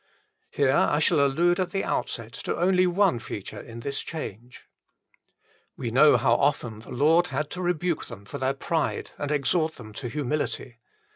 Here I shall allude at the outset to only one feature in this change. We know how often the Lord had to rebuke them for their pride and exhort them to humility.